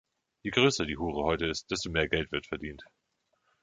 Je größer die Hure heute ist, desto mehr Geld wird verdient.